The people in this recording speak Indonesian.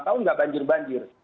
empat tahun nggak banjir banjir